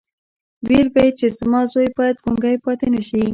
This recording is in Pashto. ويل به مې چې زما زوی بايد ګونګی پاتې نه شي.